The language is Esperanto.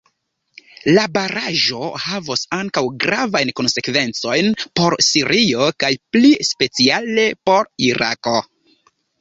La baraĵo havos ankaŭ gravajn konsekvencojn por Sirio kaj pli speciale por Irako.